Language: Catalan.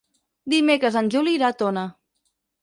Dimecres en Juli irà a Tona.